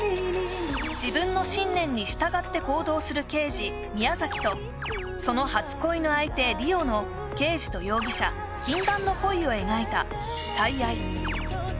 自分の信念に従って行動する刑事宮崎とその初恋の相手梨央の刑事と容疑者禁断の恋を描いた「最愛」